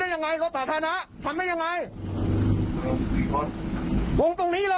ด้วยการเลี้ยงชื่อตำนานทุกวันนี้